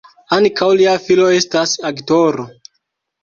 Ankaŭ lia filo estas aktoro.